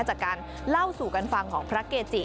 จากการเล่าสู่กันฟังของพระเกจิ